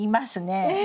え